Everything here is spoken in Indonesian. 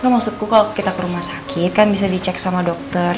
maksudku kalau kita ke rumah sakit kan bisa dicek sama dokter